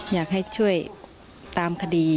อยากให้ช่วยตามคดี